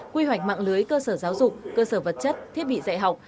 quy hoạch mạng lưới cơ sở giáo dục cơ sở vật chất thiết bị dạy học